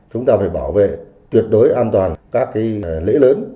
chúng ta phải bảo vệ tuyệt đối an toàn các cái lễ lớn